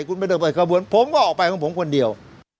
คุณไม่ต้องเปิดข้างบนผมก็ออกไปของผมคนเดียว